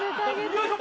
よいしょ！